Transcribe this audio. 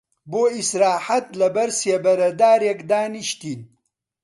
بۆ ئیستراحەت لە بەر سێبەرە دارێک دانیشتین